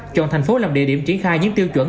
chọn thành phố làm địa điểm triển khai những tiêu chuẩn